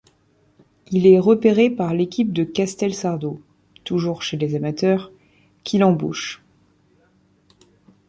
Il est repéré par l'équipe de Castelsardo, toujours chez les amateurs, qui l'embauche.